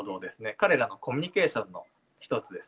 彼らのコミュニケーションの一つです。